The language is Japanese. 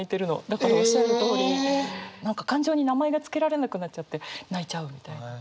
だからおっしゃるとおり感情に名前がつけられなくなっちゃって泣いちゃうみたいな。